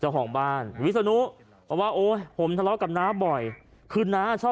แต่ว่าครั้งนี้มันเกินไปเอามีดบุกเข้ามาในบ้านผมนี่นะฮะ